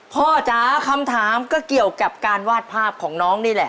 จ๋าคำถามก็เกี่ยวกับการวาดภาพของน้องนี่แหละ